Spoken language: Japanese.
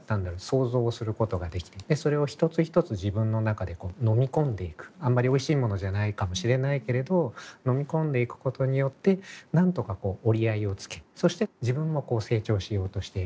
想像をすることができてそれを一つ一つ自分の中でこう飲み込んでいくあんまりおいしいものじゃないかもしれないけれど飲み込んでいくことによってなんとかこう折り合いをつけそして自分も成長しようとしている。